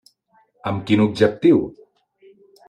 Amb quin objectiu?